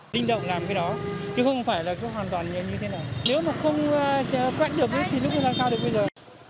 linh động làm cái đó chứ không phải là cứ hoàn toàn như thế này nếu mà không quét được thì nó cũng làm sao được bây giờ